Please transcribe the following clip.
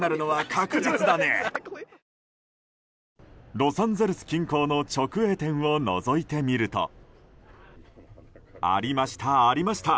ロサンゼルス近郊の直営店をのぞいてみるとありました、ありました。